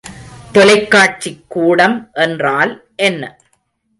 தொலைக்காட்சிக் கூட்டம் என்றால் என்ன?